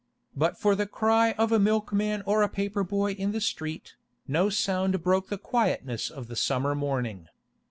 But for the cry of a milkman or a paper boy in the street, no sound broke the quietness of the summer morning.